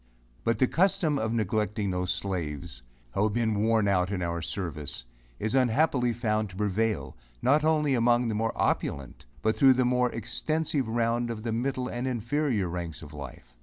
But the custom of neglecting those slaves, who have been worn out in our service, is unhappily found to prevail, not only among the more opulent but thro' the more extensive round of the middle and inferior ranks of life.